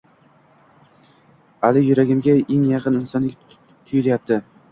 Ali yuragimga eng yaqin insondek tuyulyapti